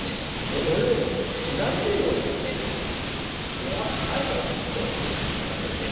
このようにしだれるようにですねやわらかい葉が特徴なんですね。